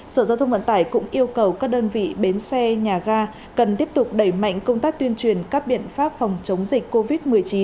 sở giao thông vận tải cũng yêu cầu các đơn vị bến xe nhà ga cần tiếp tục đẩy mạnh công tác tuyên truyền các biện pháp phòng chống dịch covid một mươi chín